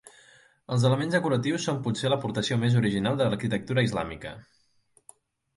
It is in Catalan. Els elements decoratius són potser l'aportació més original de l'arquitectura islàmica.